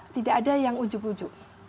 tidak ada yang ujuk ujuk